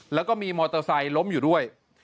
แล้วก็มีมอเตอร์ไซค์ล้มอยู่ด้วย